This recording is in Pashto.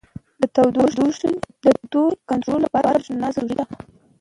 • د تودوخې کنټرول لپاره برېښنا ضروري ده.